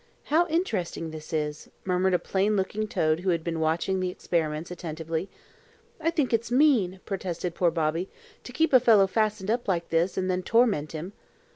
"How interesting this is!" murmured a plain looking toad who had been watching the experiments attentively. "I think it's mean," protested poor Bobby, "to keep a fellow fastened up like this, and then torment him."